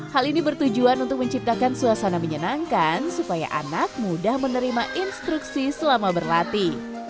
hal ini bertujuan untuk menciptakan suasana menyenangkan supaya anak mudah menerima instruksi selama berlatih